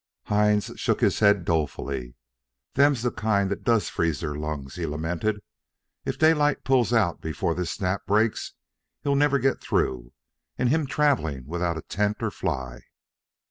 Hines shook his head dolefully. "Them's the kind that does freeze their lungs," he lamented. "If Daylight pulls out before this snap breaks, he'll never get through an' him travelin' without tent or fly."